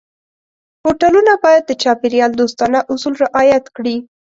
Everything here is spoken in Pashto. هوټلونه باید د چاپېریال دوستانه اصول رعایت کړي.